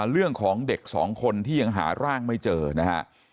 เรื่องของเด็กสองคนที่ยังหาร่างไม่เจอนะฮะ